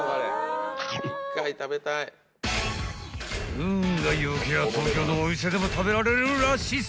［運が良きゃ東京のお店でも食べられるらしいっす］